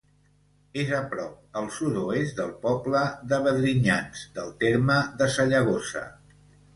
És a prop al sud-oest del poble de Vedrinyans, del terme de Sallagosa.